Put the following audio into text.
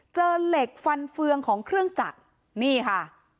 เจอเหล็กฟันเฟืองของเครื่องจักรนี่ค่ะ